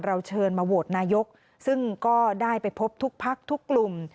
เชิญมาโหวตนายกซึ่งก็ได้ไปพบทุกพักทุกกลุ่ม